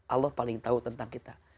allah paling tahu tentang kita